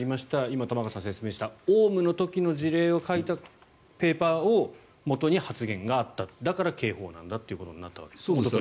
今、玉川さんが説明したオウムの時の事例を書いたペーパーをもとに発言があっただから、刑法なんだということになったわけですね。